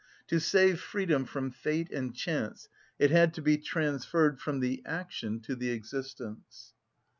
To save freedom from fate and chance, it had to be transferred from the action to the existence.